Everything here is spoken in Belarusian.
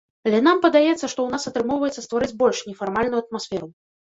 Але нам падаецца, што ў нас атрымоўваецца стварыць больш нефармальную атмасферу.